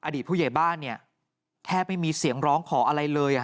อดีตผู้ใหญ่บ้านเนี่ยแทบไม่มีเสียงร้องขออะไรเลย